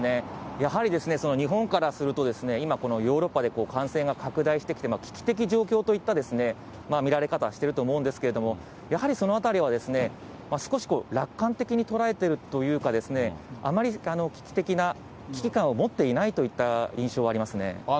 やはり日本からすると、今、このヨーロッパで感染が拡大してきて、危機的状況といった見られ方をしていると思うんですけれども、やはりそのあたりは少し楽観的に捉えているというか、あまり危機的な、危機感を持っていないといった印象はありますね。